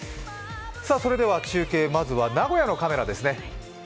それでは中継、まずは名古屋のカメラですね。